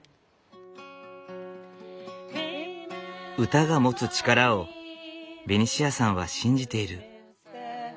歌が持つ力をベニシアさんは信じている。